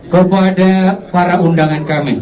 kepada para undangan kami